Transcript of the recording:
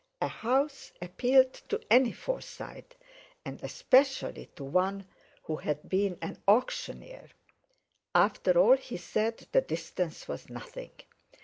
A house appealed to any Forsyte, and especially to one who had been an auctioneer. After all he said the distance was nothing.